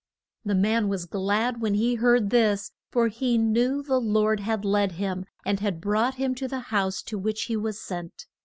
The man was glad when he heard this, for he knew the Lord had led him, and had brought him to the house to which he was sent.